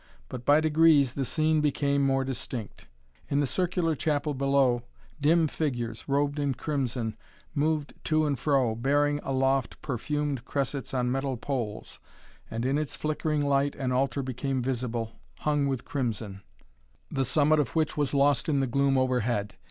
But, by degrees, the scene became more distinct. In the circular chapel below dim figures, robed in crimson, moved to and fro, bearing aloft perfumed cressets on metal poles, and in its flickering light an altar became visible, hung with crimson, the summit of which was lost in the gloom overhead.